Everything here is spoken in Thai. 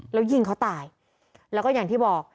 แล้วยิงเขาตายแล้วก็อย่างที่บอก